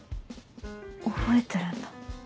覚えてるんだ。